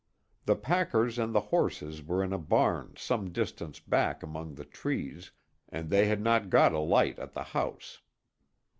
The packers and the horses were in a barn some distance back among the trees, and they had not got a light at the house.